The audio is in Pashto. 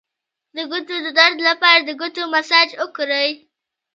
د ګوتو د درد لپاره د ګوتو مساج وکړئ